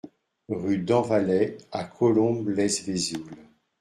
Rue de Dampvalley à Colombe-lès-Vesoul